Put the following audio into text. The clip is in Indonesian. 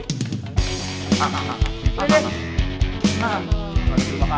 nah nah nah